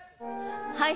はい。